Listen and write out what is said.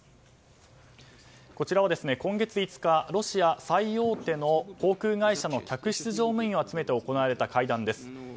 こちらは今月５日ロシア最大手の航空会社の客室乗務員を集めて行われた会談です。